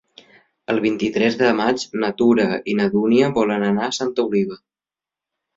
El vint-i-tres de maig na Tura i na Dúnia volen anar a Santa Oliva.